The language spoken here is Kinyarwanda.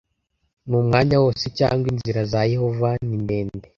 n umwanya wose cyangwa inzira za yehova ni ndende